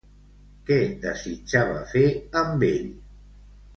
Què desitjava fer amb ell?